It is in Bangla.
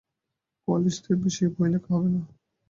কোয়ালিস্টদের বিষয়ে বই লেখা হবে না।